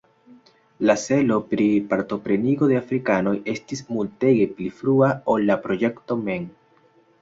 La celo pri partoprenigo de afrikanoj estis multege pli frua ol la projekto mem.